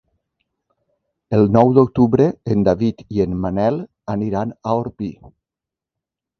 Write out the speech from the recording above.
El nou d'octubre en David i en Manel aniran a Orpí.